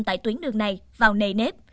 tại tuyến đường này vào nề nếp